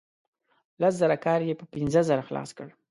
لس زره کار یې په پنځه زره خلاص کړ.